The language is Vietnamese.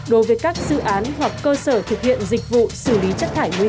đối với các dự án hoặc cơ sở thực hiện dịch vụ xử lý chất thải nguy cơ